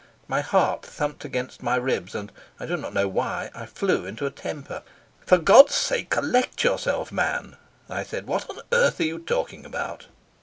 My heart thumped against my ribs, and, I do not know why, I flew into a temper. "For God's sake, collect yourself, man," I said. "What on earth are you talking about?"